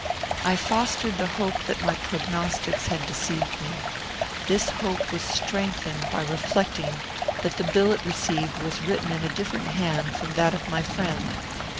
I fostered the hope that my prognostics had deceived me. This hope was strengthened by reflecting that the billet received was written in a different hand from that of my friend.